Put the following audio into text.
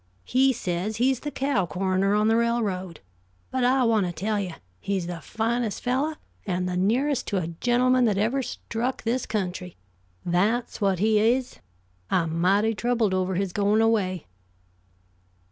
He says he's the cow coroner on the railroad; but I want to tell you, he's the finest fellow and the nearest to a gentleman that ever struck this country. That's what he is. I'm mighty troubled over his going away."